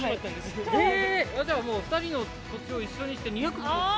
じゃあもう２人の土地を一緒にして、２００坪ですが。